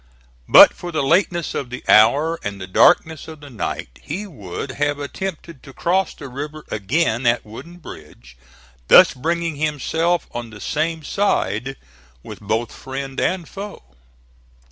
But for the lateness of the hour and the darkness of the night he would have attempted to cross the river again at Wooden Bridge, thus bringing himself on the same side with both friend and foe.